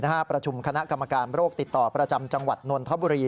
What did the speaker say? ประชุมคณะกรรมการโรคติดต่อประจำจังหวัดนนทบุรี